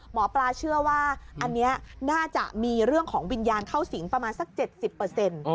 หมอปลาเชื่อว่าอันนี้น่าจะมีเรื่องของวิญญาณเข้าสิงประมาณสัก๗๐เปอร์เซ็นต์